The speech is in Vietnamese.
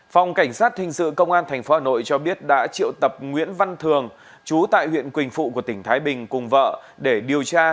phòng cảnh sát hình sự công an tp hà nội cho biết đã triệu tập nguyễn văn thường chú tại huyện quỳnh phụ của tỉnh thái bình cùng vợ để điều tra